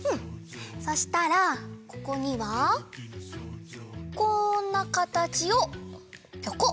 そしたらここにはこんなかたちをぴょこ！